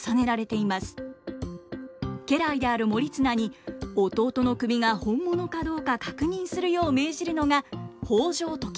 家来である盛綱に弟の首が本物かどうか確認するよう命じるのが北条時政。